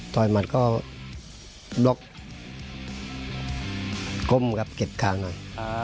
หมัดก็ล็อกก้มครับเก็บคางหน่อย